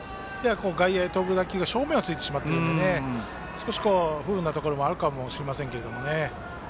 外野へ飛ぶ打球が正面をついてしまっているので不運なところもあるかもしれませんけどね。